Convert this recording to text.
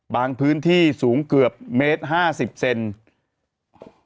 บางพื้นที่สูงเกือบเมตร๕๐เซนติเมตร